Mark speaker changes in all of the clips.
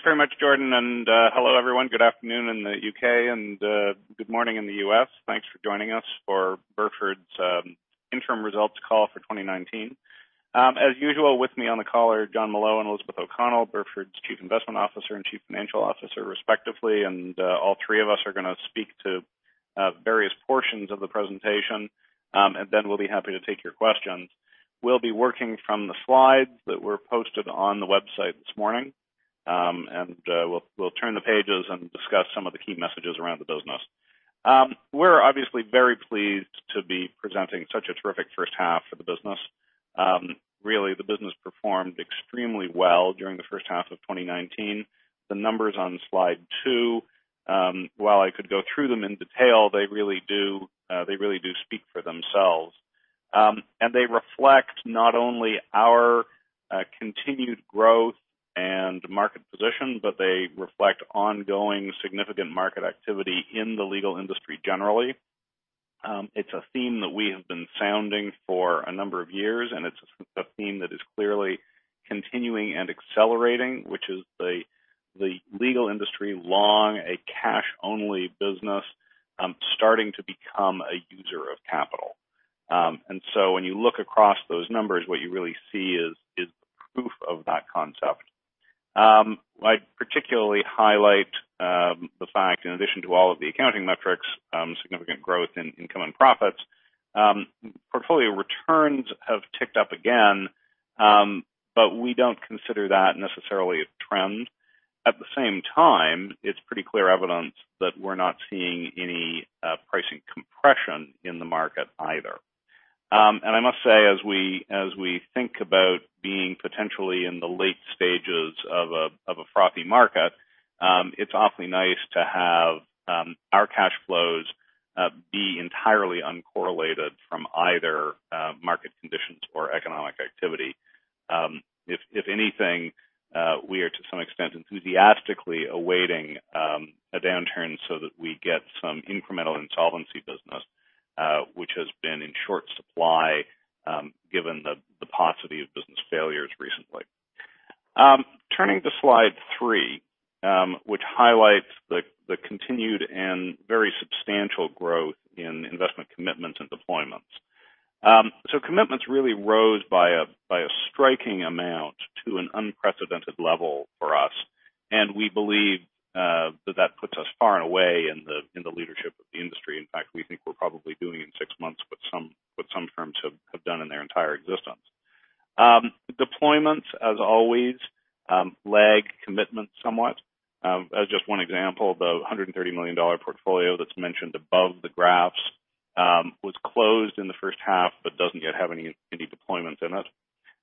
Speaker 1: Thanks very much, Jordan. Hello everyone. Good afternoon in the U.K., and good morning in the U.S. Thanks for joining us for Burford's interim results call for 2019. As usual, with me on the call are Jon Molot and Elizabeth O'Connell, Burford's Chief Investment Officer and Chief Financial Officer respectively. All three of us are going to speak to various portions of the presentation. Then we'll be happy to take your questions. We'll be working from the slides that were posted on the website this morning. We'll turn the pages and discuss some of the key messages around the business. We're obviously very pleased to be presenting such a terrific first half for the business. Really, the business performed extremely well during the first half of 2019. The numbers on slide two, while I could go through them in detail, they really do speak for themselves. They reflect not only our continued growth and market position, but they reflect ongoing significant market activity in the legal industry generally. It's a theme that we have been sounding for a number of years, and it's a theme that is clearly continuing and accelerating, which is the legal industry, long a cash-only business, starting to become a user of capital. When you look across those numbers, what you really see is proof of that concept. I'd particularly highlight the fact, in addition to all of the accounting metrics, significant growth in income and profits. Portfolio returns have ticked up again, but we don't consider that necessarily a trend. At the same time, it's pretty clear evidence that we're not seeing any pricing compression in the market either. I must say, as we think about being potentially in the late stages of a frothy market, it's awfully nice to have our cash flows be entirely uncorrelated from either market conditions or economic activity. If anything, we are, to some extent, enthusiastically awaiting a downturn so that we get some incremental insolvency business, which has been in short supply given the paucity of business failures recently. Turning to slide three, which highlights the continued and very substantial growth in investment commitments and deployments. Commitments really rose by a striking amount to an unprecedented level for us, and we believe that that puts us far and away in the leadership of the industry. In fact, we think we're probably doing in six months what some firms have done in their entire existence. Deployments, as always, lag commitments somewhat. As just one example, the $130 million portfolio that's mentioned above the graphs was closed in the first half but doesn't yet have any deployments in it.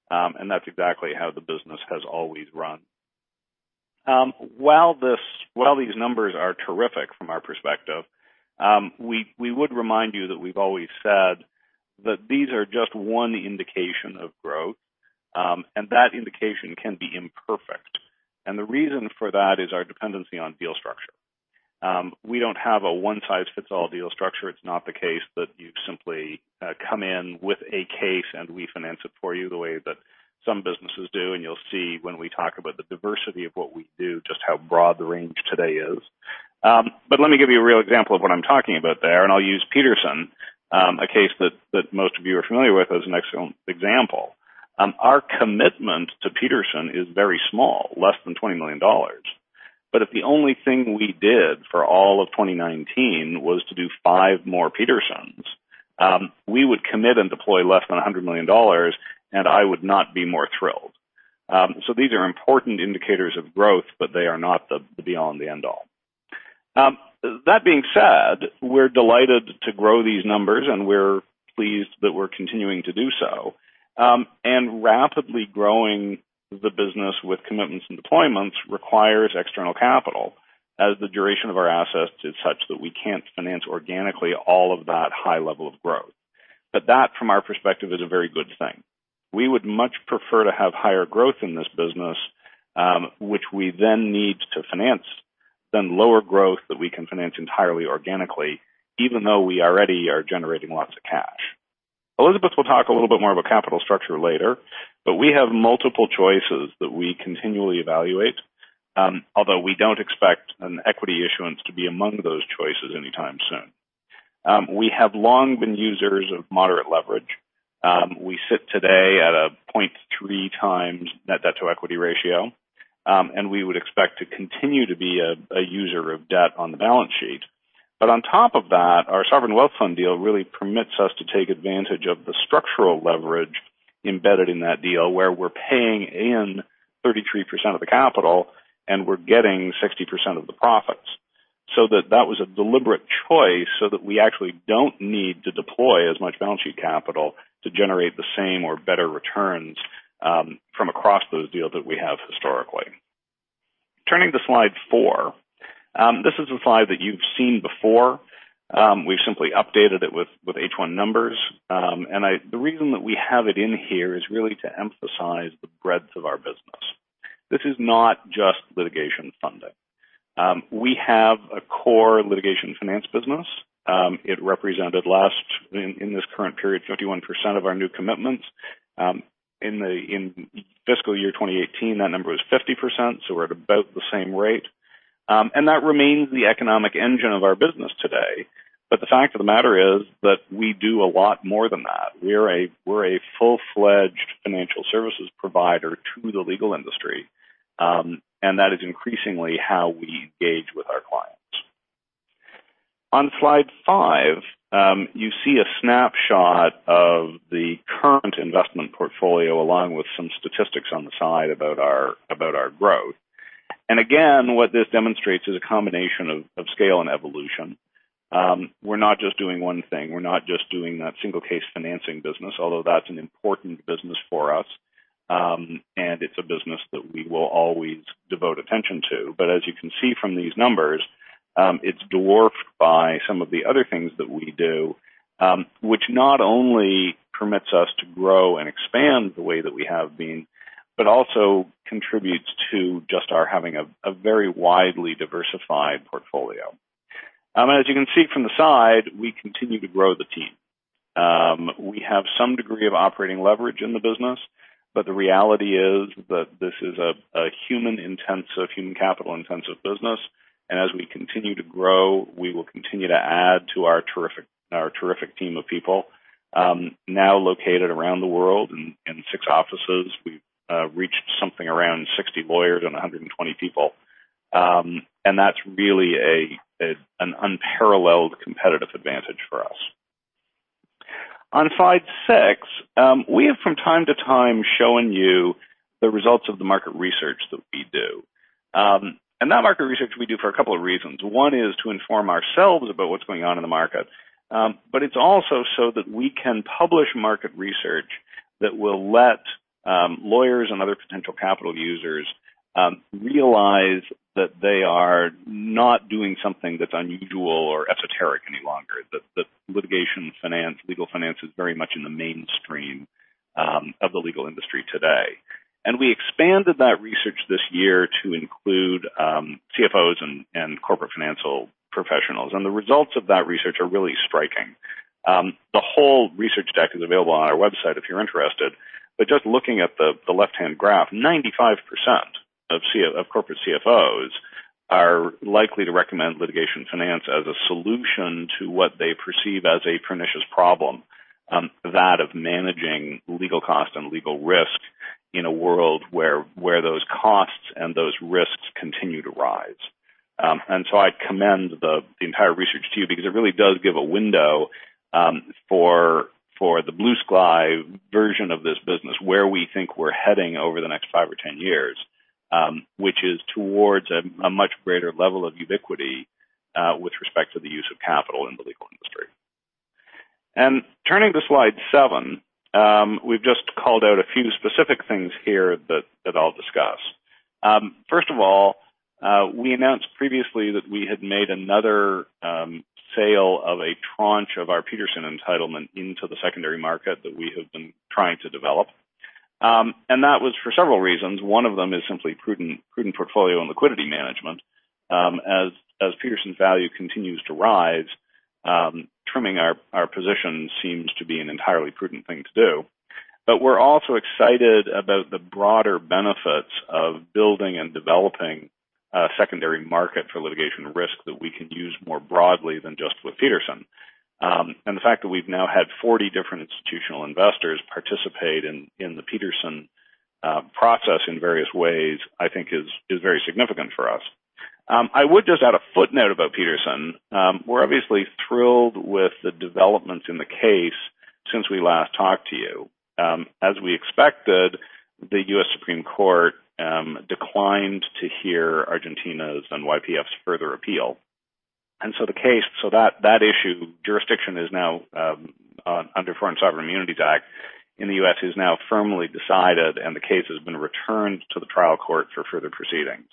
Speaker 1: That's exactly how the business has always run. While these numbers are terrific from our perspective, we would remind you that we've always said that these are just one indication of growth. That indication can be imperfect. The reason for that is our dependency on deal structure. We don't have a one-size-fits-all deal structure. It's not the case that you simply come in with a case and we finance it for you the way that some businesses do. You'll see when we talk about the diversity of what we do, just how broad the range today is. Let me give you a real example of what I'm talking about there, and I'll use Petersen, a case that most of you are familiar with, as an excellent example. Our commitment to Petersen is very small, less than $20 million. If the only thing we did for all of 2019 was to do five more Petersens, we would commit and deploy less than $100 million, and I would not be more thrilled. These are important indicators of growth, but they are not the be-all and end-all. That being said, we're delighted to grow these numbers, and we're pleased that we're continuing to do so. Rapidly growing the business with commitments and deployments requires external capital, as the duration of our assets is such that we can't finance organically all of that high level of growth. That, from our perspective, is a very good thing. We would much prefer to have higher growth in this business, which we then need to finance, than lower growth that we can finance entirely organically, even though we already are generating lots of cash. Elizabeth will talk a little bit more about capital structure later. We have multiple choices that we continually evaluate. Although we don't expect an equity issuance to be among those choices anytime soon. We have long been users of moderate leverage. We sit today at a 0.3 times net debt to equity ratio. We would expect to continue to be a user of debt on the balance sheet. On top of that, our sovereign wealth fund deal really permits us to take advantage of the structural leverage embedded in that deal, where we're paying in 33% of the capital and we're getting 60% of the profits. That was a deliberate choice so that we actually don't need to deploy as much balance sheet capital to generate the same or better returns from across those deals that we have historically. Turning to slide four. This is a slide that you've seen before. We've simply updated it with H1 numbers. The reason that we have it in here is really to emphasize the breadth of our business. This is not just litigation funding. We have a core litigation finance business. It represented, in this current period, 51% of our new commitments. In fiscal year 2018, that number was 50%, so we're at about the same rate. That remains the economic engine of our business today. The fact of the matter is that we do a lot more than that. We're a full-fledged financial services provider to the legal industry. That is increasingly how we engage with our clients. On slide five, you see a snapshot of the current investment portfolio, along with some statistics on the side about our growth. Again, what this demonstrates is a combination of scale and evolution. We're not just doing one thing. We're not just doing that single case financing business, although that's an important business for us, and it's a business that we will always devote attention to. As you can see from these numbers, it's dwarfed by some of the other things that we do, which not only permits us to grow and expand the way that we have been, but also contributes to just our having a very widely diversified portfolio. As you can see from the side, we continue to grow the team. We have some degree of operating leverage in the business, but the reality is that this is a human capital-intensive business. As we continue to grow, we will continue to add to our terrific team of people, now located around the world in six offices. We've reached something around 60 lawyers and 120 people, and that's really an unparalleled competitive advantage for us. On slide six, we have from time to time shown you the results of the market research that we do. That market research we do for a couple of reasons. One is to inform ourselves about what's going on in the market, it's also so that we can publish market research that will let lawyers and other potential capital users realize that they are not doing something that's unusual or esoteric any longer, that litigation finance, legal finance is very much in the mainstream of the legal industry today. We expanded that research this year to include CFOs and corporate financial professionals. The results of that research are really striking. The whole research deck is available on our website if you're interested. Just looking at the left-hand graph, 95% of corporate CFOs are likely to recommend litigation finance as a solution to what they perceive as a pernicious problem, that of managing legal cost and legal risk in a world where those costs and those risks continue to rise. I commend the entire research to you because it really does give a window for the blue sky version of this business, where we think we're heading over the next five or 10 years, which is towards a much greater level of ubiquity with respect to the use of capital in the legal industry. Turning to slide seven, we've just called out a few specific things here that I'll discuss. First of all, we announced previously that we had made another sale of a tranche of our Petersen entitlement into the secondary market that we have been trying to develop. That was for several reasons. One of them is simply prudent portfolio and liquidity management. As Petersen's value continues to rise, trimming our position seems to be an entirely prudent thing to do. We're also excited about the broader benefits of building and developing a secondary market for litigation risk that we can use more broadly than just with Petersen. The fact that we've now had 40 different institutional investors participate in the Petersen process in various ways, I think is very significant for us. I would just add a footnote about Petersen. We're obviously thrilled with the developments in the case since we last talked to you. As we expected, the U.S. Supreme Court declined to hear Argentina's and YPF's further appeal. That issue, jurisdiction is now under Foreign Sovereign Immunities Act in the U.S., is now firmly decided, and the case has been returned to the trial court for further proceedings.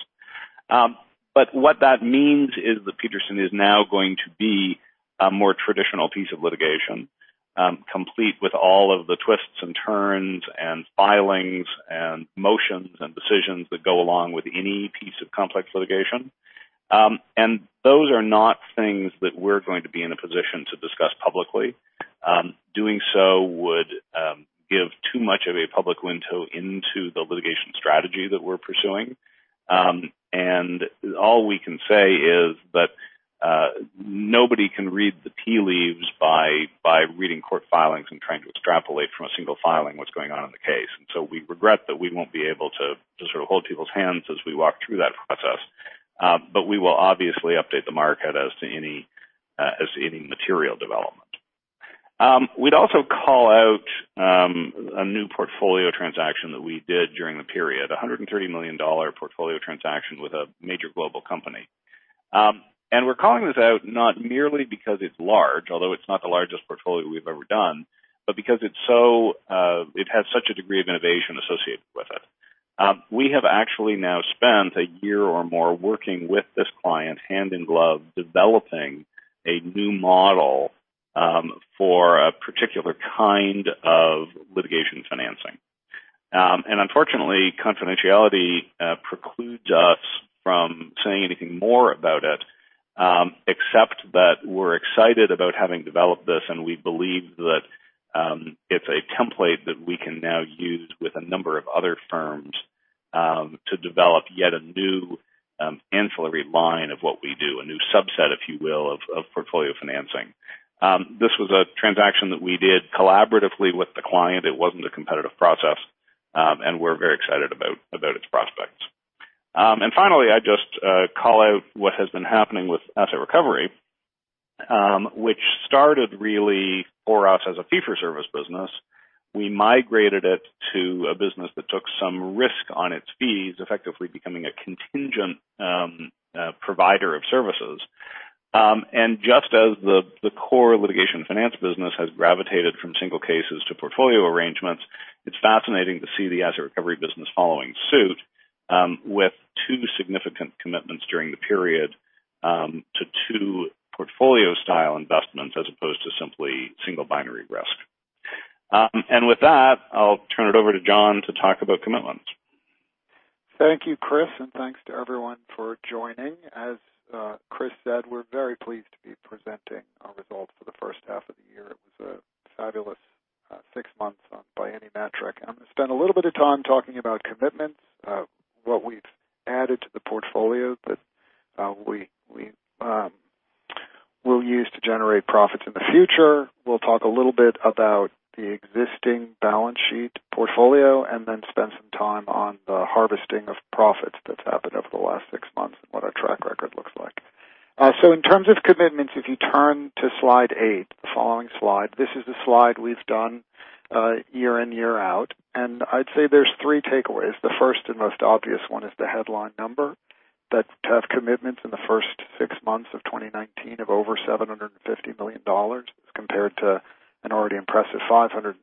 Speaker 1: What that means is that Petersen is now going to be a more traditional piece of litigation, complete with all of the twists and turns and filings and motions and decisions that go along with any piece of complex litigation. Those are not things that we're going to be in a position to discuss publicly. Doing so would give too much of a public window into the litigation strategy that we're pursuing. All we can say is that nobody can read the tea leaves by reading court filings and trying to extrapolate from a single filing what's going on in the case. We regret that we won't be able to sort of hold people's hands as we walk through that process. We will obviously update the market as to any material development. We'd also call out a new portfolio transaction that we did during the period, a $130 million portfolio transaction with a major global company. We're calling this out not merely because it's large, although it's not the largest portfolio we've ever done, but because it has such a degree of innovation associated with it. We have actually now spent a year or more working with this client hand in glove, developing a new model for a particular kind of litigation financing. Unfortunately, confidentiality precludes us from saying anything more about it, except that we're excited about having developed this, and we believe that it's a template that we can now use with a number of other firms, to develop yet a new ancillary line of what we do, a new subset, if you will, of portfolio financing. This was a transaction that we did collaboratively with the client. It wasn't a competitive process. We're very excited about its prospects. Finally, I'd just call out what has been happening with asset recovery, which started really for us as a fee-for-service business. We migrated it to a business that took some risk on its fees, effectively becoming a contingent provider of services. Just as the core litigation finance business has gravitated from single cases to portfolio arrangements, it's fascinating to see the asset recovery business following suit, with two significant commitments during the period, to two portfolio style investments as opposed to simply single binary risk. With that, I'll turn it over to Jon to talk about commitments.
Speaker 2: Thank you, Chris, and thanks to everyone for joining. As Chris said, we're very pleased to be presenting our results for the first half of the year. It was a fabulous six months by any metric. I'm going to spend a little bit of time talking about commitments, what we've added to the portfolio that we'll use to generate profits in the future. We'll talk a little bit about the existing balance sheet portfolio and then spend some time on the harvesting of profits that's happened over the last six months and what our track record looks like. In terms of commitments, if you turn to slide eight, the following slide, this is a slide we've done year in, year out, and I'd say there's three takeaways. The first and most obvious one is the headline number that commitments in the first 6 months of 2019 of over $750 million as compared to an already impressive $550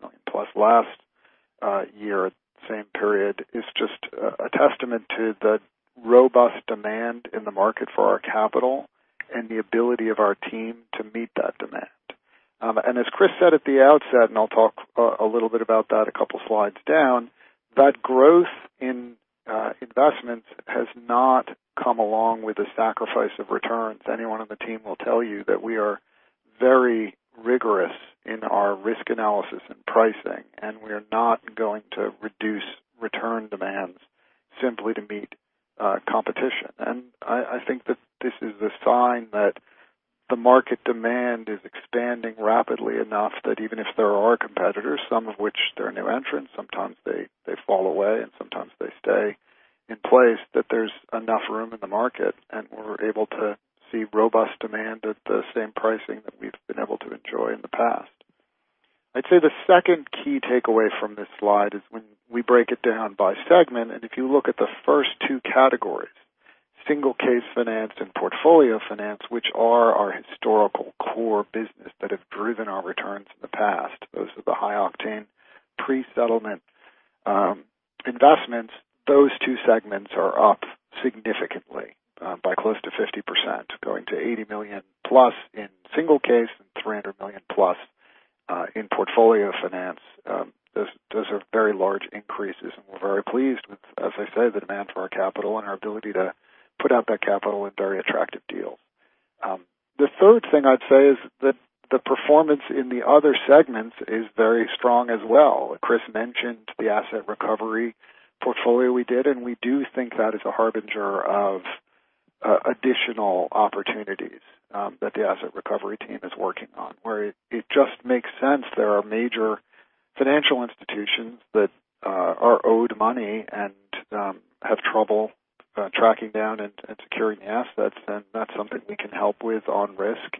Speaker 2: million+ last year, same period, is just a testament to the robust demand in the market for our capital and the ability of our team to meet that demand. As Chris said at the outset, I'll talk a little bit about that a couple slides down, that growth in investments has not come along with the sacrifice of returns. Anyone on the team will tell you that we are very rigorous in our risk analysis and pricing, and we're not going to reduce return demands simply to meet competition. I think that this is a sign that the market demand is expanding rapidly enough that even if there are competitors, some of which they're new entrants, sometimes they fall away and sometimes they stay in place, that there's enough room in the market, and we're able to see robust demand at the same pricing that we've been able to enjoy in the past. I'd say the second key takeaway from this slide is when we break it down by segment, if you look at the first 2 categories, single case finance and portfolio finance, which are our historical core business that have driven our returns in the past. Those are the high octane pre-settlement investments. Those 2 segments are up significantly, by close to 50%, going to $80 million-plus in single case and $300 million-plus in portfolio finance. Those are very large increases. We're very pleased with, as I say, the demand for our capital and our ability to put out that capital in very attractive deals. The third thing I'd say is that the performance in the other segments is very strong as well. Chris mentioned the asset recovery portfolio we did, and we do think that is a harbinger of additional opportunities that the asset recovery team is working on, where it just makes sense there are major financial institutions that are owed money and have trouble tracking down and securing assets. That's something we can help with on risk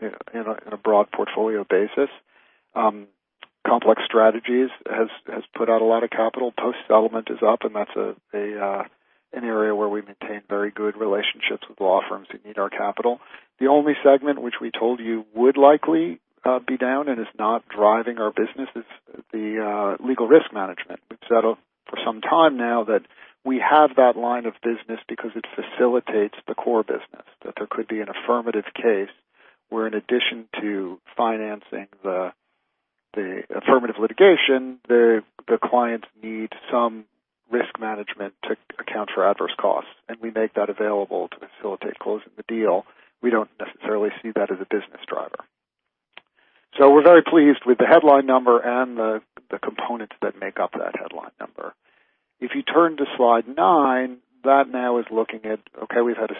Speaker 2: in a broad portfolio basis. Complex strategies has put out a lot of capital. Post-settlement is up, and that's an area where we maintain very good relationships with law firms who need our capital. The only segment which we told you would likely be down and is not driving our business is the Legal Risk Management. We've said for some time now that we have that line of business because it facilitates the core business, that there could be an affirmative case where in addition to financing the affirmative litigation, the clients need some risk management to account for adverse costs. We make that available to facilitate closing the deal. We don't necessarily see that as a business driver. We're very pleased with the headline number and the components that make up that headline number. If you turn to slide nine, that now is looking at, okay, we've had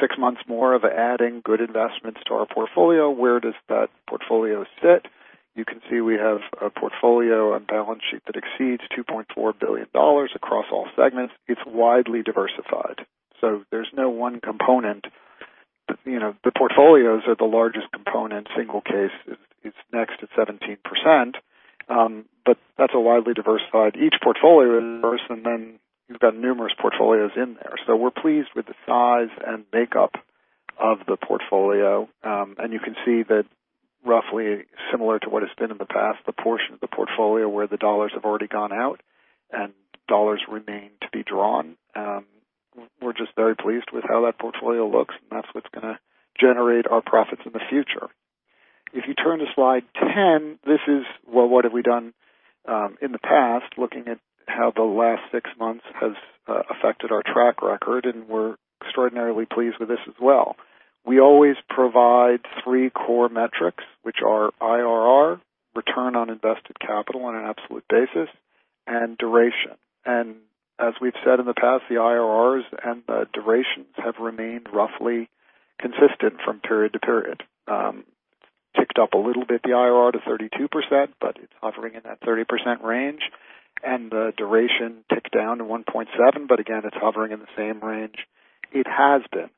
Speaker 2: six months more of adding good investments to our portfolio. Where does that portfolio sit? You can see we have a portfolio and balance sheet that exceeds $2.4 billion across all segments. It's widely diversified. There's no one component. The portfolios are the largest component. Single case is next at 17%. That's a widely diversified. Each portfolio is diverse. You've got numerous portfolios in there. We're pleased with the size and makeup of the portfolio. You can see that roughly similar to what it's been in the past, the portion of the portfolio where the $ have already gone out and $ remain to be drawn. We're just very pleased with how that portfolio looks. That's what's going to generate our profits in the future. If you turn to slide 10, this is, well, what have we done in the past, looking at how the last six months has affected our track record. We're extraordinarily pleased with this as well. We always provide three core metrics, which are IRR, return on invested capital on an absolute basis, and duration. As we've said in the past, the IRRs and the durations have remained roughly consistent from period to period. Ticked up a little bit, the IRR, to 32%, but it's hovering in that 30% range, and the duration ticked down to 1.7, but again, it's hovering in the same range it has been.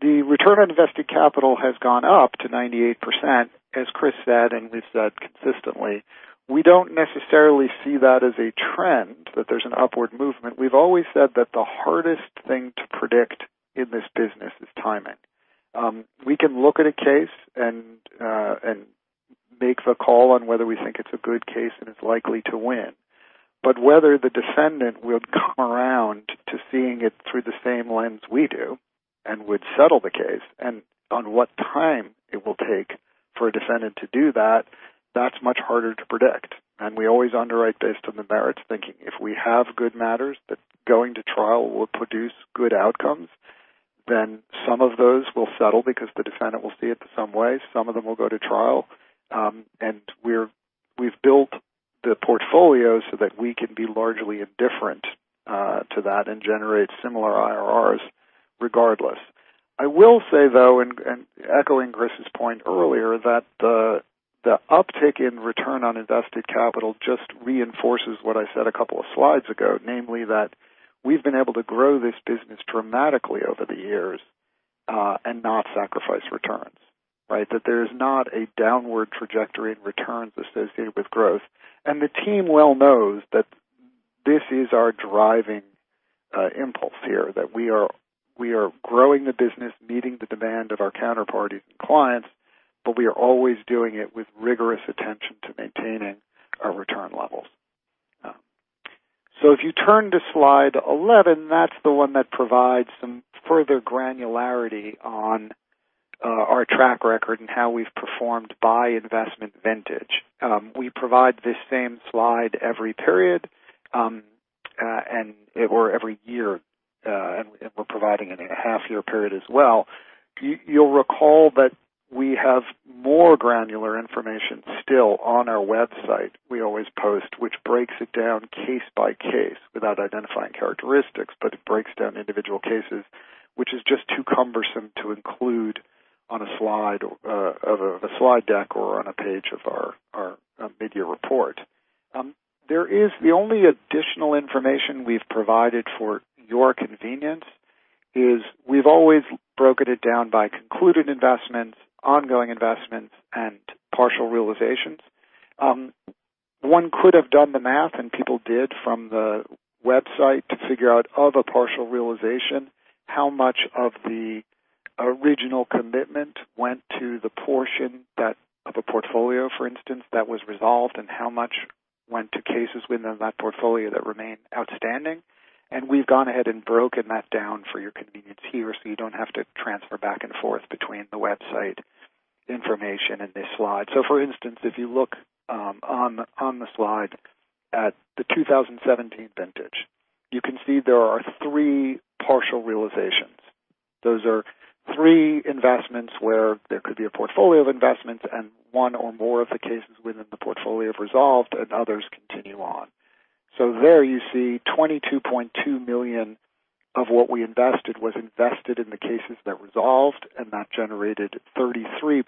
Speaker 2: The return on invested capital has gone up to 98%. As Chris said, and we've said consistently, we don't necessarily see that as a trend, that there's an upward movement. We've always said that the hardest thing to predict in this business is timing. We can look at a case and make a call on whether we think it's a good case and it's likely to win, but whether the defendant will come around to seeing it through the same lens we do and would settle the case, and on what time it will take for a defendant to do that's much harder to predict. We always underwrite based on the merits, thinking if we have good matters that going to trial will produce good outcomes, then some of those will settle because the defendant will see it some way. Some of them will go to trial. We've built the portfolio so that we can be largely indifferent to that and generate similar IRRs regardless. I will say, though, and echoing Chris's point earlier, that the uptick in return on invested capital just reinforces what I said a couple of slides ago, namely that we've been able to grow this business dramatically over the years, and not sacrifice returns, right? There's not a downward trajectory in returns associated with growth. The team well knows that this is our driving impulse here, that we are growing the business, meeting the demand of our counterparties and clients, but we are always doing it with rigorous attention to maintaining our return levels. If you turn to slide 11, that's the one that provides some further granularity on our track record and how we've performed by investment vintage. We provide this same slide every period, or every year, and we're providing it in a half-year period as well. You'll recall that we have more granular information still on our website we always post, which breaks it down case by case without identifying characteristics, but it breaks down individual cases, which is just too cumbersome to include on a slide of a slide deck or on a page of our mid-year report. The only additional information we've provided for your convenience is we've always broken it down by concluded investments, ongoing investments, and partial realizations. One could have done the math, and people did from the website to figure out of a partial realization, how much of the original commitment went to the portion of a portfolio, for instance, that was resolved, and how much went to cases within that portfolio that remained outstanding. We've gone ahead and broken that down for your convenience here so you don't have to transfer back and forth between the website information and this slide. For instance, if you look on the slide at the 2017 vintage, you can see there are three partial realizations. Those are three investments where there could be a portfolio of investments and one or more of the cases within the portfolio have resolved and others continue on. There you see $22.2 million of what we invested was invested in the cases that resolved and that generated $33.2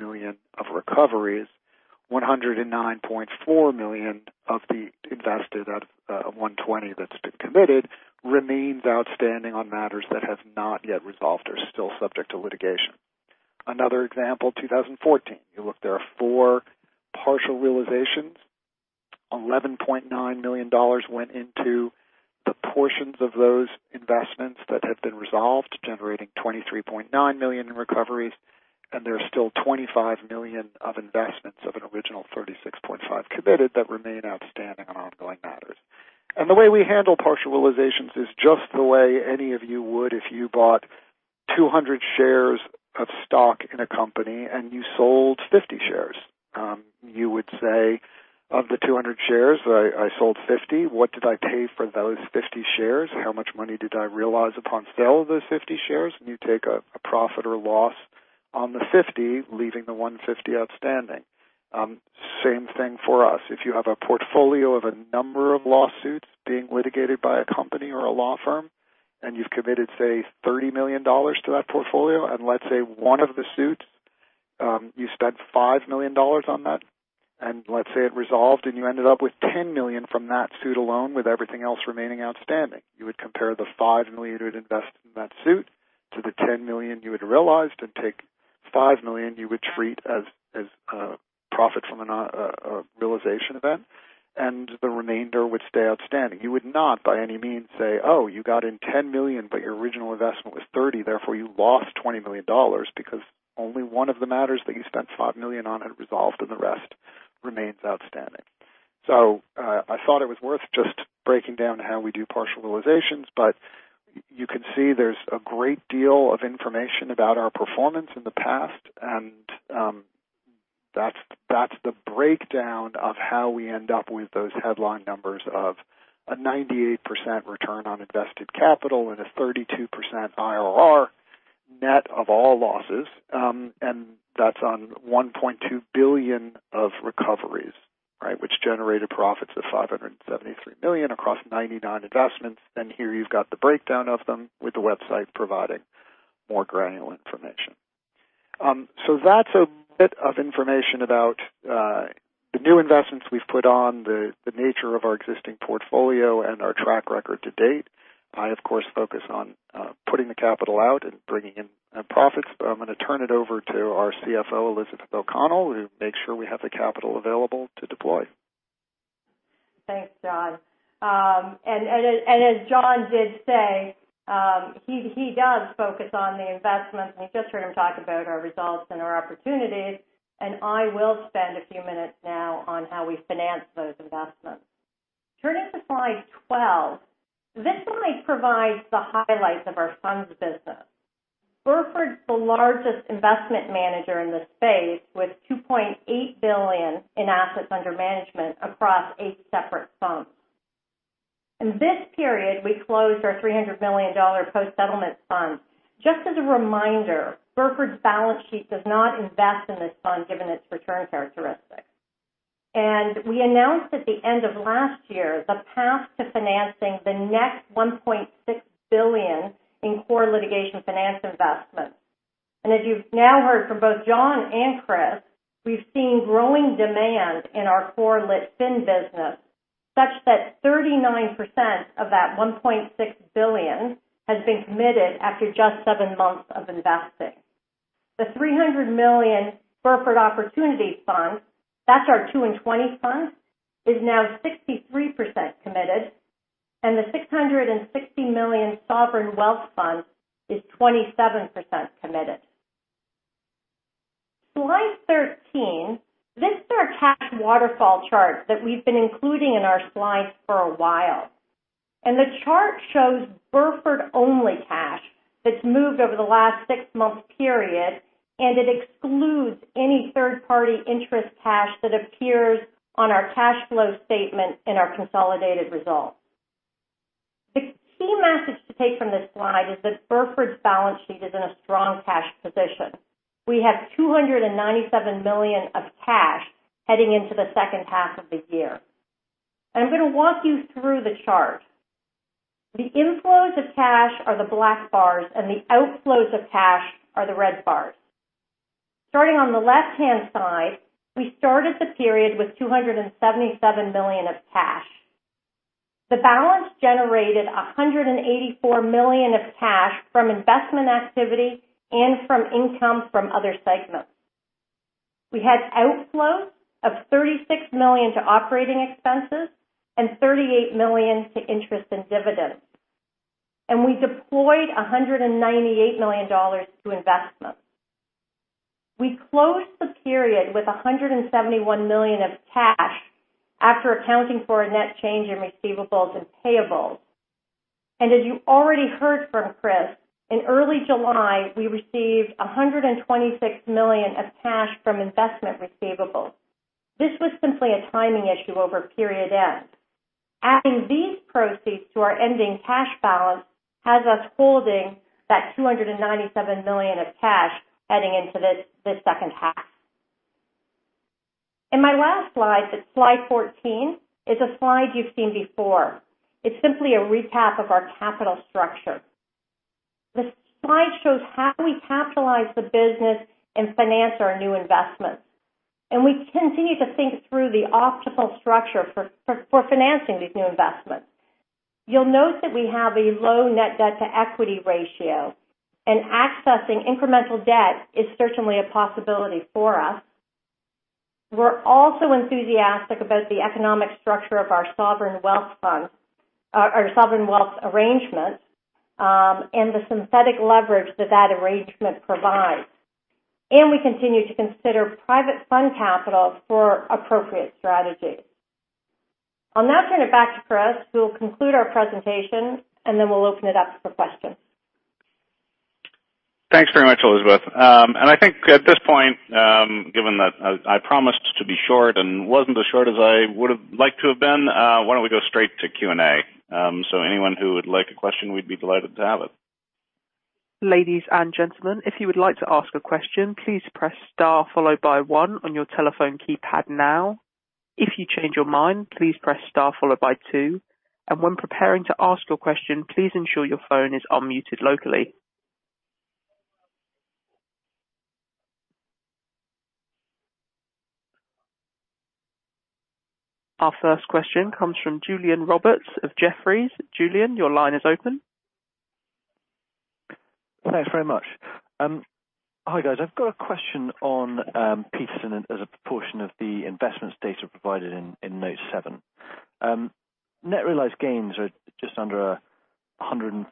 Speaker 2: million of recoveries. $109.4 million of the invested of $120 that's been committed remains outstanding on matters that have not yet resolved or are still subject to litigation. Another example, 2014. You look, there are four partial realizations. $11.9 million went into the portions of those investments that have been resolved, generating $23.9 million in recoveries. There's still $25 million of investments of an original $36.5 committed that remain outstanding on ongoing matters. The way we handle partial realizations is just the way any of you would if you bought 200 shares of stock in a company and you sold 50 shares. You would say, "Of the 200 shares, I sold 50. What did I pay for those 50 shares? How much money did I realize upon sale of those 50 shares?" You take a profit or loss on the 50, leaving the 150 outstanding. Same thing for us. If you have a portfolio of a number of lawsuits being litigated by a company or a law firm, and you've committed, say, $30 million to that portfolio, and let's say one of the suits, you spent $5 million on that, and let's say it resolved and you ended up with $10 million from that suit alone, with everything else remaining outstanding. You would compare the $5 million you had invested in that suit to the $10 million you had realized, and take $5 million you would treat as profit from a realization event, and the remainder would stay outstanding. You would not, by any means, say, oh, you got in $10 million, but your original investment was $30 million, therefore you lost $20 million because only one of the matters that you spent $5 million on had resolved, and the rest remains outstanding. I thought it was worth just breaking down how we do partial realizations. You can see there's a great deal of information about our performance in the past, and that's the breakdown of how we end up with those headline numbers of a 98% return on invested capital and a 32% IRR net of all losses. That's on $1.2 billion of recoveries. Which generated profits of $573 million across 99 investments. Here you've got the breakdown of them with the website providing more granular information. That's a bit of information about the new investments we've put on, the nature of our existing portfolio, and our track record to date. I, of course, focus on putting the capital out and bringing in profits. I'm going to turn it over to our CFO, Elizabeth O'Connell, who makes sure we have the capital available to deploy.
Speaker 3: Thanks, Jon. As Jon did say, he does focus on the investments, and you just heard him talk about our results and our opportunities, and I will spend a few minutes now on how we finance those investments. Turning to slide 12. This slide provides the highlights of our funds business. Burford's the largest investment manager in this space, with $2.8 billion in assets under management across eight separate funds. In this period, we closed our $300 million post-settlement fund. Just as a reminder, Burford's balance sheet does not invest in this fund given its return characteristics. We announced at the end of last year the path to financing the next $1.6 billion in core litigation finance investments. As you've now heard from both Jon and Chris, we've seen growing demand in our core lit fin business, such that 39% of that $1.6 billion has been committed after just seven months of investing. The $300 million Burford Opportunity Fund, that's our two and twenty fund, is now 63% committed, and the $660 million sovereign wealth fund is 27% committed. Slide 13. This is our cash waterfall chart that we've been including in our slides for a while. The chart shows Burford-only cash that's moved over the last six-month period, and it excludes any third-party interest cash that appears on our cash flow statement in our consolidated results. The key message to take from this slide is that Burford's balance sheet is in a strong cash position. We have $297 million of cash heading into the second half of the year. I'm going to walk you through the chart. The inflows of cash are the black bars, and the outflows of cash are the red bars. Starting on the left-hand side, we started the period with $277 million of cash. The balance generated $184 million of cash from investment activity and from income from other segments. We had outflows of $36 million to operating expenses and $38 million to interest and dividends. We deployed $198 million to investments. We closed the period with $171 million of cash after accounting for a net change in receivables and payables. As you already heard from Chris, in early July, we received $126 million of cash from investment receivables. This was simply a timing issue over period end. Adding these proceeds to our ending cash balance has us holding that $297 million of cash heading into the second half. In my last slide 14, is a slide you've seen before. It's simply a recap of our capital structure. This slide shows how we capitalize the business and finance our new investments, and we continue to think through the optimal structure for financing these new investments. You'll note that we have a low net debt to equity ratio, and accessing incremental debt is certainly a possibility for us. We're also enthusiastic about the economic structure of our sovereign wealth arrangement, and the synthetic leverage that that arrangement provides. We continue to consider private fund capital for appropriate strategies. I'll now turn it back to Chris, who will conclude our presentation, and then we'll open it up for questions.
Speaker 1: Thanks very much, Elizabeth. I think at this point, given that I promised to be short and wasn't as short as I would have liked to have been, why don't we go straight to Q&A? Anyone who would like a question, we'd be delighted to have it.
Speaker 4: Ladies and gentlemen, if you would like to ask a question, please press star followed by one on your telephone keypad now. If you change your mind, please press star followed by two. And when preparing to ask your question, please ensure your phone is unmuted locally. Our first question comes from Julian Roberts of Jefferies. Julian, your line is open.
Speaker 5: Thanks very much. Hi, guys. I've got a question on Petersen as a proportion of the investments data provided in note seven. Net realized gains are just under $140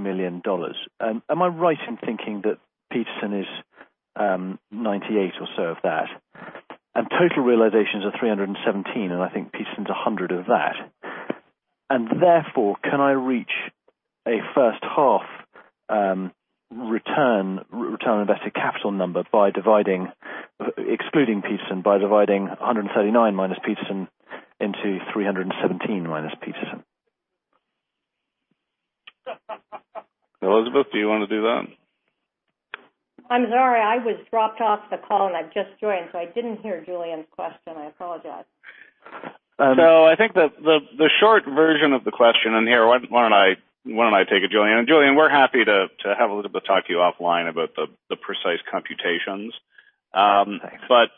Speaker 5: million. Am I right in thinking that Petersen is 98 or so of that? Total realizations are 317, and I think Petersen's 100 of that. Therefore, can I reach a first half return invested capital number by dividing, excluding Petersen, by dividing 139 minus Petersen into 317 minus Petersen?
Speaker 1: Elizabeth, do you want to do that?
Speaker 3: I'm sorry. I was dropped off the call and I've just joined, so I didn't hear Julian's question. I apologize.
Speaker 1: I think that the short version of the question, and here, why don't I take it, Julian? Julian, we're happy to have Elizabeth talk to you offline about the precise computations.
Speaker 5: Thanks.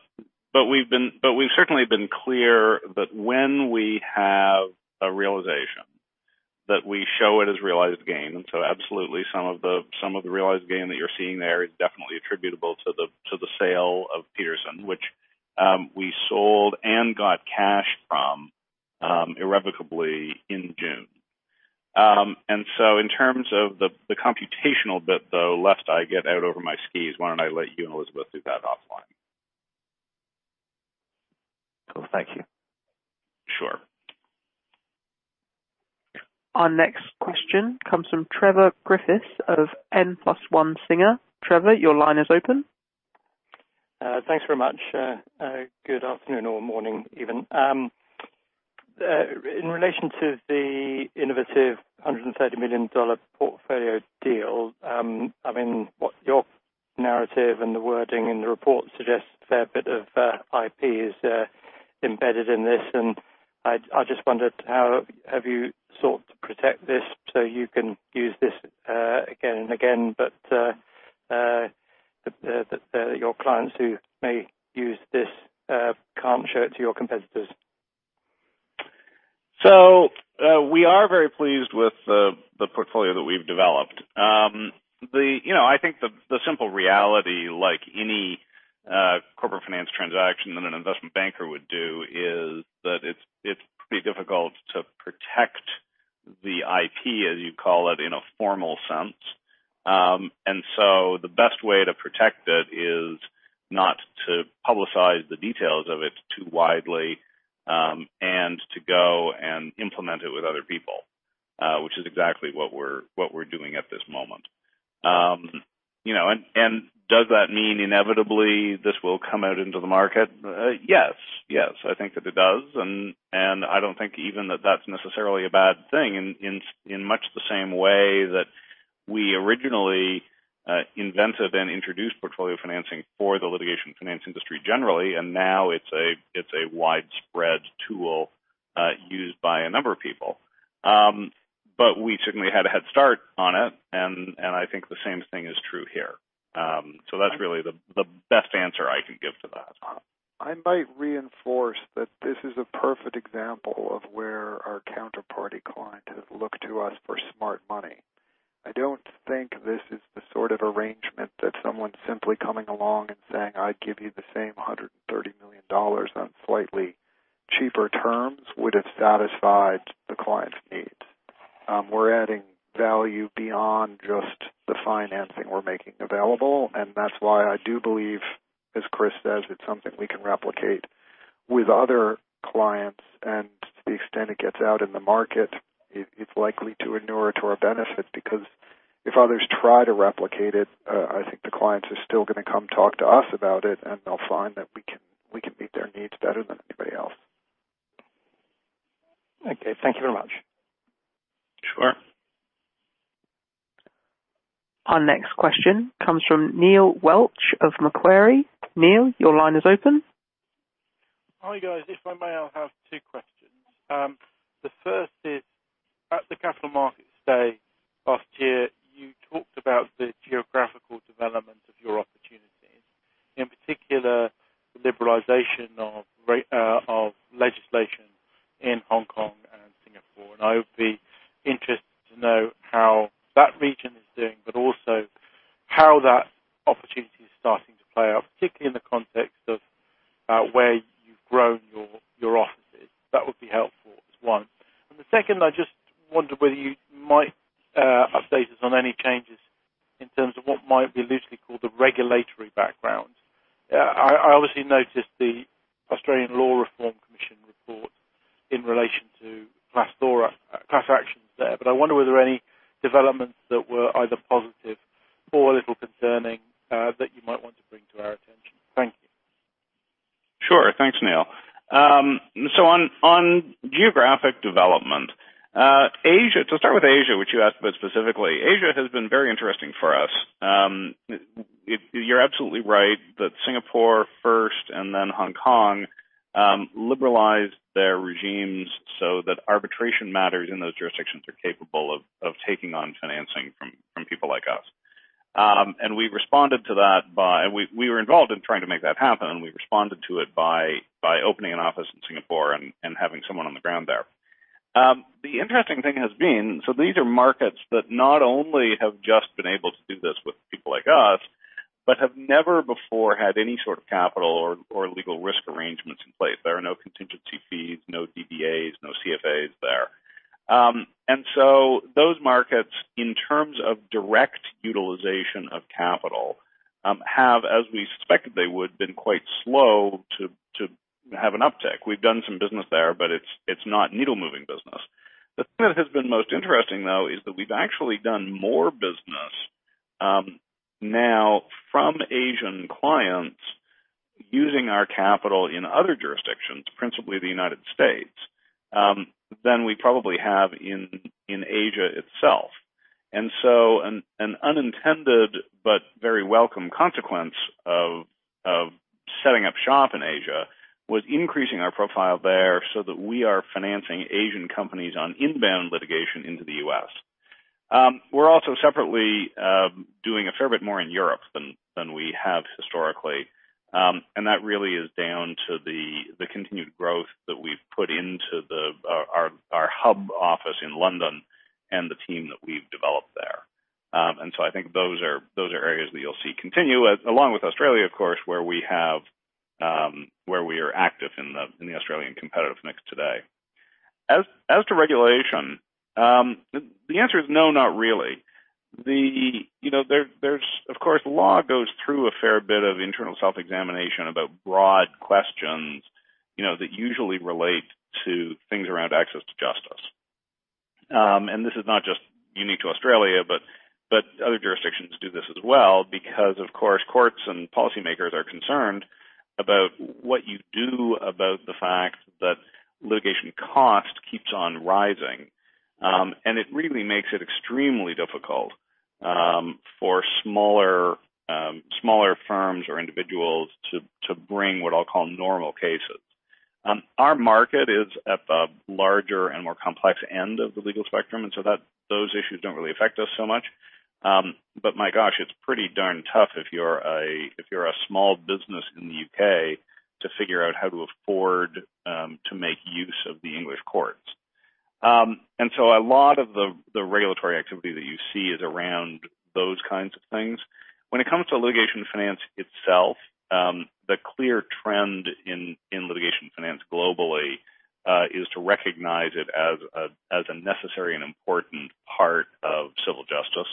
Speaker 1: We've certainly been clear that when we have a realization, that we show it as realized gain. Absolutely some of the realized gain that you're seeing there is definitely attributable to the sale of Petersen, which we sold and got cash from irrevocably in June. In terms of the computational bit, though, left, I get out over my skis. Why don't I let you and Elizabeth do that offline?
Speaker 5: Cool. Thank you.
Speaker 1: Sure.
Speaker 4: Our next question comes from Trevor Griffiths of N+1 Singer. Trevor, your line is open.
Speaker 6: Thanks very much. Good afternoon or morning even. In relation to the innovative $130 million portfolio deal, what your narrative and the wording in the report suggests a fair bit of IP is embedded in this, I just wondered how have you sought to protect this so you can use this again and again, but that your clients who may use this can't show it to your competitors?
Speaker 1: We are very pleased with the portfolio that we've developed. I think the simple reality, like any corporate finance transaction that an investment banker would do, is that it's pretty difficult to protect the IP, as you call it, in a formal sense. The best way to protect it is not to publicize the details of it too widely, and to go and implement it with other people, which is exactly what we're doing at this moment. Does that mean inevitably this will come out into the market? Yes. I think that it does, and I don't think even that that's necessarily a bad thing in much the same way that we originally invented and introduced portfolio financing for the litigation finance industry generally, and now it's a widespread tool used by a number of people. We certainly had a head start on it, and I think the same thing is true here. That's really the best answer I can give to that.
Speaker 2: I might reinforce that this is a perfect example of where our counterparty client has looked to us for smart money. I don't think this is the sort of arrangement that someone simply coming along and saying, "I'd give you the same $130 million on slightly cheaper terms" would've satisfied the client's needs. We're adding value beyond just the financing we're making available, and that's why I do believe, as Chris says, it's something we can replicate with other clients, and to the extent it gets out in the market, it's likely to inure to our benefit because if others try to replicate it, I think the clients are still going to come talk to us about it, and they'll find that we can meet their needs better than anybody else.
Speaker 6: Okay. Thank you very much.
Speaker 1: Sure.
Speaker 4: Our next question comes from Neil Welch of Macquarie. Neil, your line is open.
Speaker 7: Hi, guys. If I may, I'll have two questions. The first is, at the Capital Markets Day last year, you talked about the geographical development of your opportunities, in particular the liberalization of legislation in Hong Kong and Singapore. I would be interested to know how that region is doing, but also how that opportunity is starting to play out, particularly in the context of where you've grown your offices. That would be helpful as one. The second, I just wondered whether you might update us on any changes in terms of what might be loosely called the regulatory background. I obviously noticed the Australian Law Reform Commission report in relation to class actions there, but I wonder were there any developments that were either positive or a little concerning, that you might want to bring to our attention? Thank you.
Speaker 1: Sure. Thanks, Neil. On geographic development. To start with Asia, which you asked about specifically, Asia has been very interesting for us. You're absolutely right that Singapore first and then Hong Kong liberalized their regimes so that arbitration matters in those jurisdictions are capable of taking on financing from people like us. We were involved in trying to make that happen, and we responded to it by opening an office in Singapore and having someone on the ground there. The interesting thing has been, these are markets that not only have just been able to do this with people like us, but have never before had any sort of capital or legal risk arrangements in place. There are no contingency fees, no DBAs, no CFAs there. Those markets, in terms of direct utilization of capital, have, as we suspected they would, been quite slow to have an uptick. We've done some business there, but it's not needle-moving business. The thing that has been most interesting, though, is that we've actually done more business now from Asian clients using our capital in other jurisdictions, principally the United States, than we probably have in Asia itself. An unintended but very welcome consequence of setting up shop in Asia was increasing our profile there so that we are financing Asian companies on inbound litigation into the U.S. We're also separately doing a fair bit more in Europe than we have historically. That really is down to the continued growth that we've put into our hub office in London and the team that we've developed there. I think those are areas that you'll see continue, along with Australia, of course, where we are active in the Australian competitive mix today. As to regulation, the answer is no, not really. Of course, law goes through a fair bit of internal self-examination about broad questions that usually relate to things around access to justice. This is not just unique to Australia, but other jurisdictions do this as well because, of course, courts and policymakers are concerned about what you do about the fact that litigation cost keeps on rising. It really makes it extremely difficult for smaller firms or individuals to bring what I'll call normal cases. Our market is at the larger and more complex end of the legal spectrum, and so those issues don't really affect us so much. My gosh, it's pretty darn tough if you're a small business in the U.K. to figure out how to afford to make use of the English courts. A lot of the regulatory activity that you see is around those kinds of things. When it comes to litigation finance itself, the clear trend in litigation finance globally, is to recognize it as a necessary and important part of civil justice.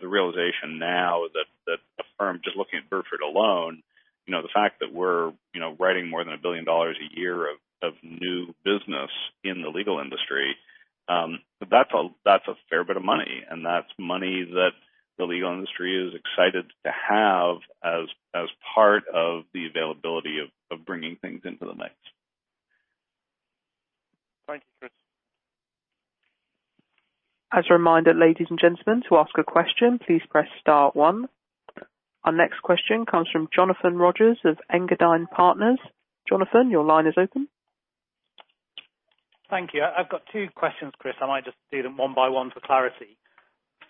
Speaker 1: The realization now that a firm, just looking at Burford alone, the fact that we're writing more than $1 billion a year of new business in the legal industry, that's a fair bit of money, and that's money that the legal industry is excited to have as part of the availability of bringing things into the mix.
Speaker 7: Thank you, Chris.
Speaker 4: As a reminder, ladies and gentlemen, to ask a question, please press star one. Our next question comes from Jonathan Rogers of Engadine Partners. Jonathan, your line is open.
Speaker 8: Thank you. I've got two questions, Chris. I might just do them one by one for clarity.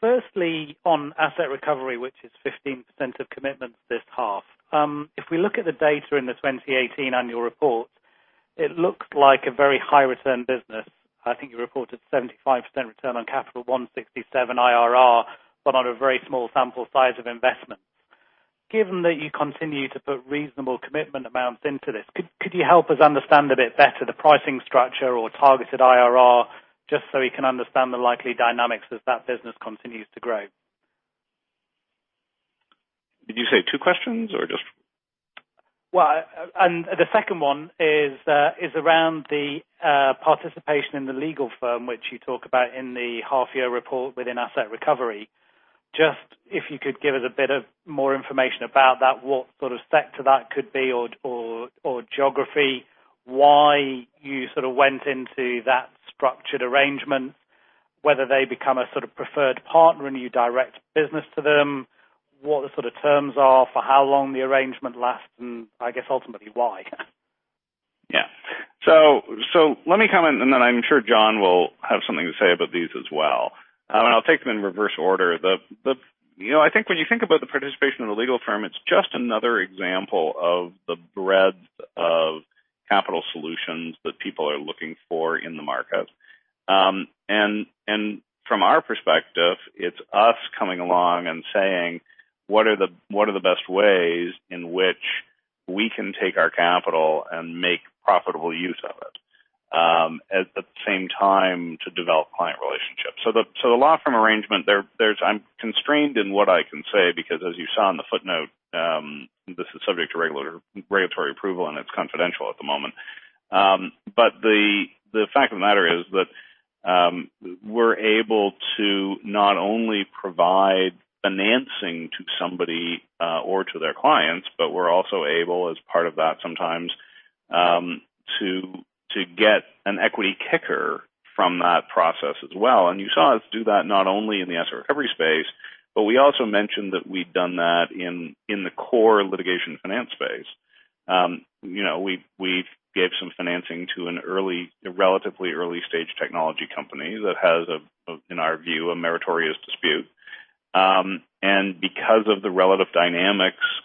Speaker 8: Firstly, on asset recovery, which is 15% of commitments this half. If we look at the data in the 2018 annual report, it looks like a very high return business. I think you reported 75% return on capital, 167 IRR, but on a very small sample size of investments. Given that you continue to put reasonable commitment amounts into this, could you help us understand a bit better the pricing structure or targeted IRR just so we can understand the likely dynamics as that business continues to grow?
Speaker 1: Did you say two questions or just?
Speaker 8: Well, the second one is around the participation in the legal firm, which you talk about in the half-year report within Asset Recovery. Just if you could give us a bit of more information about that, what sort of sector that could be or geography, why you sort of went into that structured arrangement, whether they become a sort of preferred partner and you direct business to them, what the sort of terms are for how long the arrangement lasts, and I guess ultimately, why?
Speaker 1: Yeah. Let me comment, and then I'm sure Jon will have something to say about these as well. I'll take them in reverse order. I think when you think about the participation of the legal firm, it's just another example of the breadth of capital solutions that people are looking for in the market. From our perspective, it's us coming along and saying, "What are the best ways in which we can take our capital and make profitable use of it, at the same time to develop client relationships?" The law firm arrangement, I'm constrained in what I can say because as you saw in the footnote, this is subject to regulatory approval, and it's confidential at the moment. The fact of the matter is that we're able to not only provide financing to somebody or to their clients, but we're also able, as part of that sometimes, to get an equity kicker from that process as well. You saw us do that not only in the Asset Recovery space, but we also mentioned that we've done that in the core litigation finance space. We gave some financing to a relatively early-stage technology company that has, in our view, a meritorious dispute. Because of the relative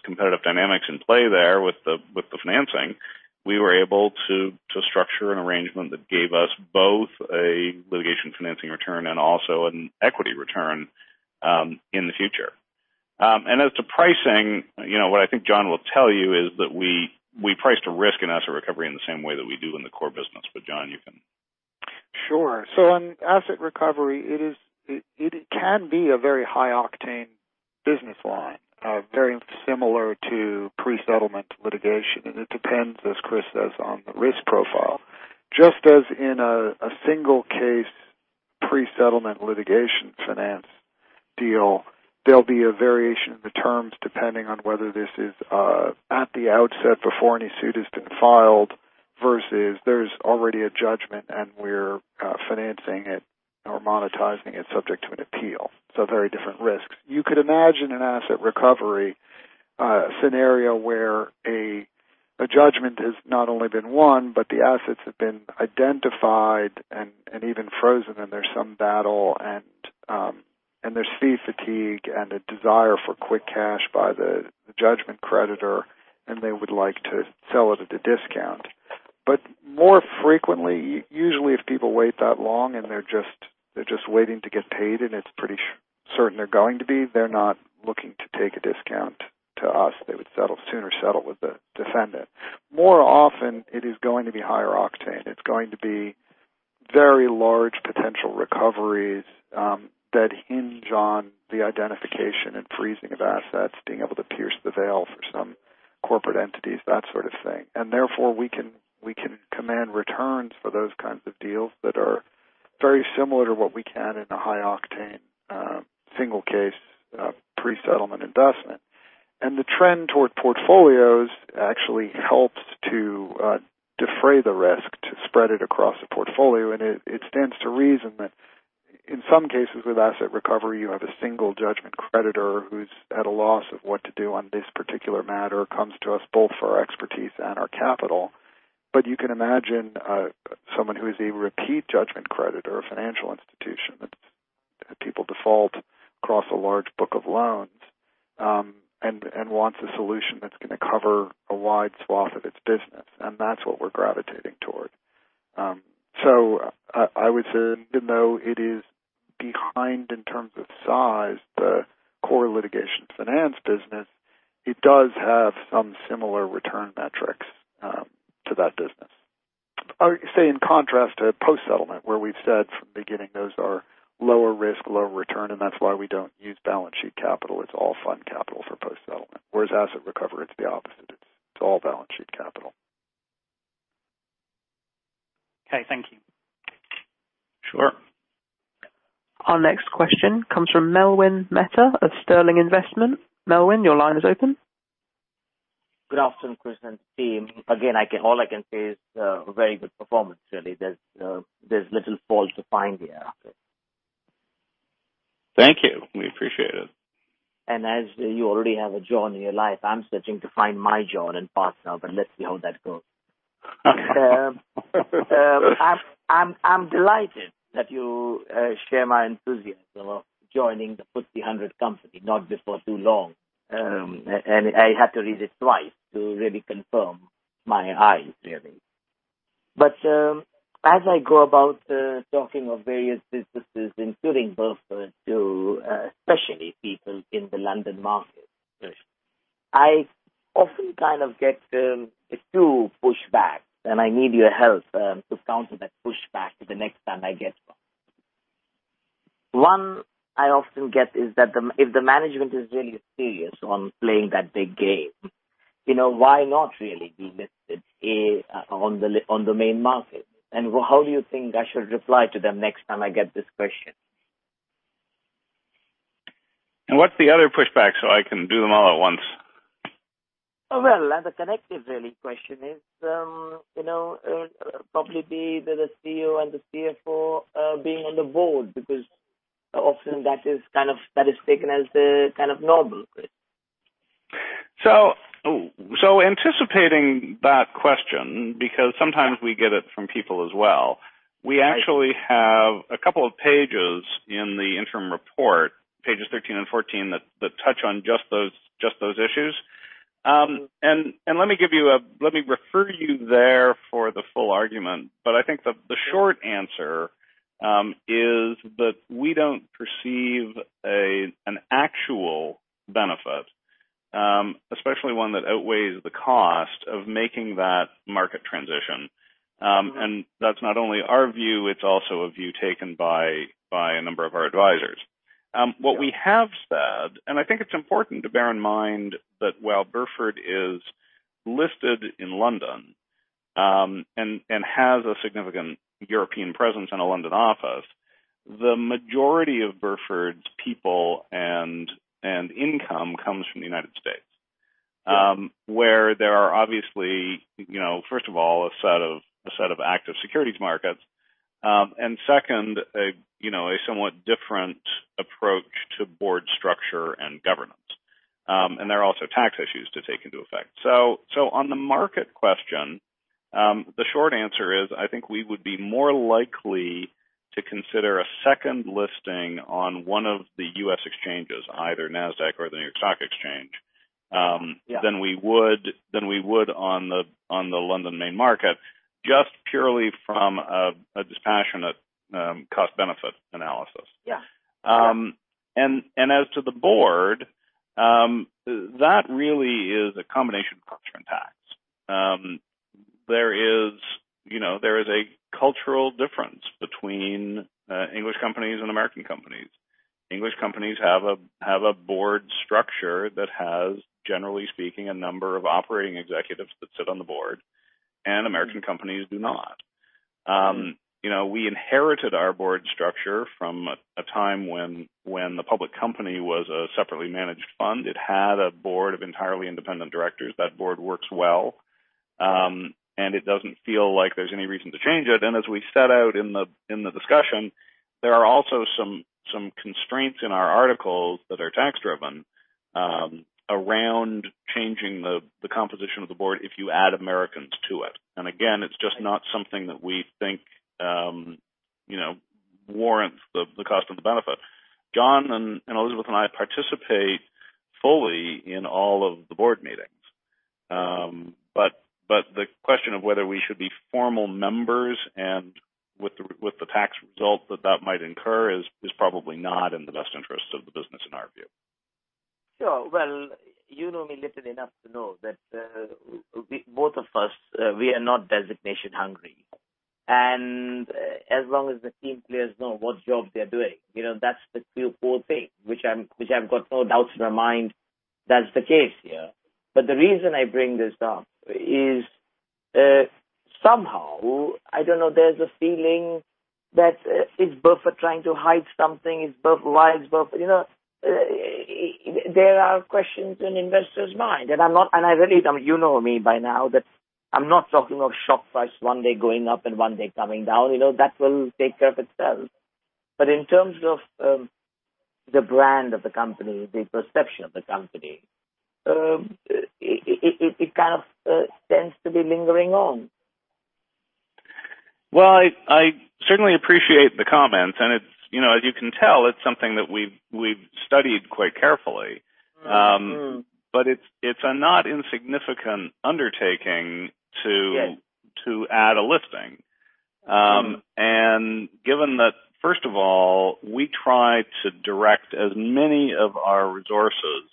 Speaker 1: competitive dynamics in play there with the financing, we were able to structure an arrangement that gave us both a litigation financing return and also an equity return in the future. As to pricing, what I think Jon will tell you is that we priced a risk and asset recovery in the same way that we do in the core business. Jon, you can
Speaker 2: Sure. On asset recovery, it can be a very high octane business line, very similar to pre-settlement litigation, and it depends, as Chris says, on the risk profile. Just as in a single case pre-settlement litigation finance deal, there'll be a variation of the terms depending on whether this is at the outset before any suit has been filed versus there's already a judgment and we're financing it or monetizing it subject to an appeal. Very different risks. You could imagine an asset recovery scenario where a judgment has not only been won, but the assets have been identified and even frozen, and there's some battle and there's fee fatigue and a desire for quick cash by the judgment creditor, and they would like to sell it at a discount. More frequently, usually, if people wait that long and they're just waiting to get paid, and it's pretty certain they're going to be, they're not looking to take a discount to us. They would sooner settle with the defendant. More often, it is going to be higher octane. It's going to be very large potential recoveries that hinge on the identification and freezing of assets, being able to pierce the veil for some corporate entities, that sort of thing. Therefore, we can command returns for those kinds of deals that are very similar to what we can in a high octane, single case, pre-settlement investment. The trend toward portfolios actually helps to defray the risk, to spread it across a portfolio. It stands to reason that in some cases with Asset Recovery, you have a single judgment creditor who's at a loss of what to do on this particular matter, comes to us both for our expertise and our capital. You can imagine someone who is a repeat judgment creditor or financial institution that people default across a large book of loans, and wants a solution that's going to cover a wide swath of its business, and that's what we're gravitating toward. I would say even though it is behind in terms of size, the core litigation finance business, it does have some similar return metrics to that business. I would say in contrast to post-settlement, where we've said from the beginning, those are lower risk, lower return, and that's why we don't use balance sheet capital. It's all fund capital for post-settlement. Whereas asset recovery, it's the opposite. It's all balance sheet capital.
Speaker 8: Okay. Thank you.
Speaker 1: Sure.
Speaker 4: Our next question comes from Melwin Mehta of Sterling Investment. Melwin, your line is open.
Speaker 9: Good afternoon, Chris and team. Again, all I can say is very good performance really. There is little fault to find here.
Speaker 1: Thank you. We appreciate it.
Speaker 9: As you already have a Jon in your life, I'm searching to find my Jon and partner, but let's see how that goes. I'm delighted that you share my enthusiasm of joining the FTSE 100 company, not before too long. I had to read it twice to really confirm my eyes, really. As I go about talking of various businesses, including Burford, to especially people in the London market, Chris, I often kind of get two pushbacks. I need your help to counter that pushback the next time I get one. One I often get is that if the management is really serious on playing that big game, why not really be listed on the main market? And how do you think I should reply to them next time I get this question?
Speaker 1: What's the other pushback so I can do them all at once?
Speaker 9: Well, the connective, really, question is probably be the CEO and the CFO being on the board because often that is taken as kind of normal, Chris.
Speaker 1: Anticipating that question, because sometimes we get it from people as well, we actually have a couple of pages in the interim report, pages 13 and 14, that touch on just those issues. Let me refer you there for the full argument. I think the short answer is that we don't perceive an actual benefit, especially one that outweighs the cost of making that market transition. That's not only our view, it's also a view taken by a number of our advisors. What we have said, and I think it's important to bear in mind that while Burford is listed in London, and has a significant European presence and a London office, the majority of Burford's people and income comes from the U.S.
Speaker 9: Yeah.
Speaker 1: Where there are obviously, first of all, a set of active securities markets, and second, a somewhat different approach to board structure and governance. There are also tax issues to take into effect. On the market question, the short answer is, I think we would be more likely to consider a second listing on one of the U.S. exchanges, either Nasdaq or the New York Stock Exchange.
Speaker 9: Yeah
Speaker 1: than we would on the London main market, just purely from a dispassionate cost-benefit analysis.
Speaker 9: Yeah.
Speaker 1: As to the board, that really is a combination of culture and tax. There is a cultural difference between English companies and American companies. English companies have a board structure that has, generally speaking, a number of operating executives that sit on the board, and American companies do not. We inherited our board structure from a time when the public company was a separately managed fund. It had a board of entirely independent directors. That board works well, and it doesn't feel like there's any reason to change it. As we set out in the discussion, there are also some constraints in our articles that are tax-driven around changing the composition of the board if you add Americans to it. Again, it's just not something that we think warrants the cost and the benefit. Jon and Elizabeth and I participate fully in all of the board meetings. The question of whether we should be formal members and with the tax result that that might incur is probably not in the best interest of the business in our view.
Speaker 9: Sure. Well, you know me little enough to know that both of us, we are not designation hungry. As long as the team players know what jobs they're doing, that's the whole thing, which I've got no doubts in my mind that's the case here. The reason I bring this up is, somehow, I don't know, there's a feeling that is Burford trying to hide something? Is Burford wise? There are questions in investors mind. You know me by now that I'm not talking of shock price one day going up and one day coming down. That will take care of itself. In terms of the brand of the company, the perception of the company, it kind of tends to be lingering on.
Speaker 1: Well, I certainly appreciate the comments, and as you can tell, it's something that we've studied quite carefully. It's a not insignificant undertaking.
Speaker 9: Yes
Speaker 1: to add a listing. Given that, first of all, we try to direct as many of our resources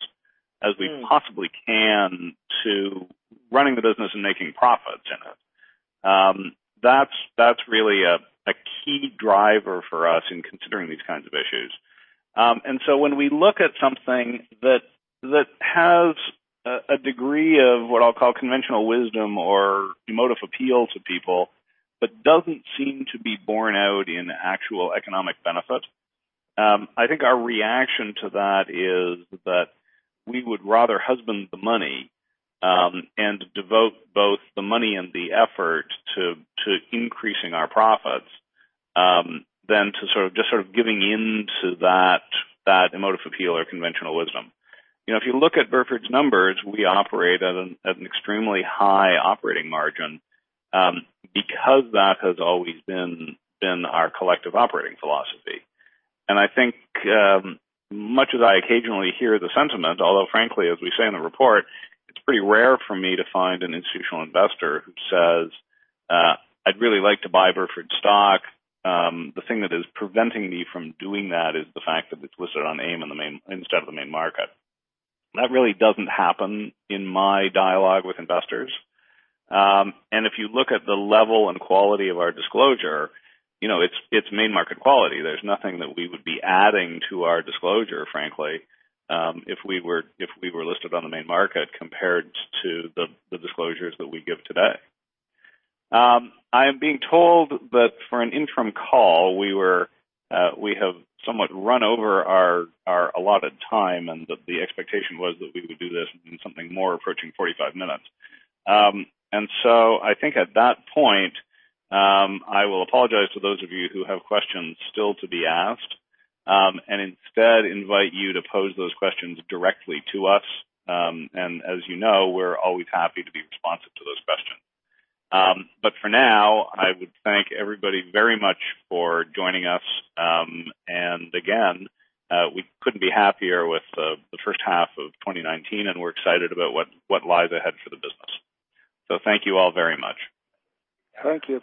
Speaker 1: as we possibly can to running the business and making profits in it, that's really a key driver for us in considering these kinds of issues. When we look at something that has a degree of what I'll call conventional wisdom or emotive appeal to people, but doesn't seem to be borne out in actual economic benefit, I think our reaction to that is that we would rather husband the money, and devote both the money and the effort to increasing our profits, than to just sort of giving in to that emotive appeal or conventional wisdom. If you look at Burford's numbers, we operate at an extremely high operating margin, because that has always been our collective operating philosophy. I think, much as I occasionally hear the sentiment, although frankly, as we say in the report, it's pretty rare for me to find an institutional investor who says, "I'd really like to buy Burford stock. The thing that is preventing me from doing that is the fact that it's listed on AIM instead of the main market." That really doesn't happen in my dialogue with investors. If you look at the level and quality of our disclosure, it's main market quality. There's nothing that we would be adding to our disclosure, frankly, if we were listed on the main market compared to the disclosures that we give today. I am being told that for an interim call, we have somewhat run over our allotted time, and that the expectation was that we would do this in something more approaching 45 minutes. I think at that point, I will apologize to those of you who have questions still to be asked, and instead invite you to pose those questions directly to us. As you know, we're always happy to be responsive to those questions. For now, I would thank everybody very much for joining us. Again, we couldn't be happier with the first half of 2019, and we're excited about what lies ahead for the business. Thank you all very much.
Speaker 9: Thank you.